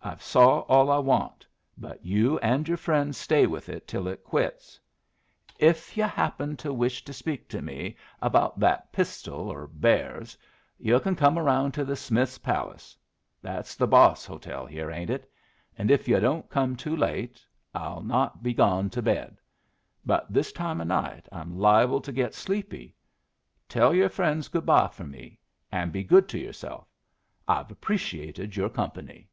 I've saw all I want, but you and your friends stay with it till it quits. If yu' happen to wish to speak to me about that pistol or bears, yu' come around to Smith's Palace that's the boss hotel here, ain't it? and if yu' don't come too late I'll not be gone to bed. But this time of night I'm liable to get sleepy. Tell your friends good bye for me, and be good to yourself. I've appreciated your company."